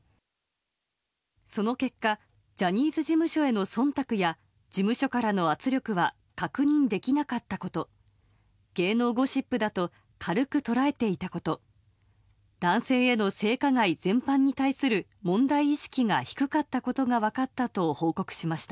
その結果ジャニーズ事務所への忖度や事務所からの圧力は確認できなかったこと芸能ゴシップだと軽く捉えていたこと男性への性加害全般に対する問題意識が低かったことが分かったと報告しました。